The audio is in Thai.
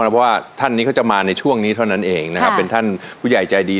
เพราะว่าท่านนี้เขาจะมาในช่วงนี้เท่านั้นเองนะครับเป็นท่านผู้ใหญ่ใจดี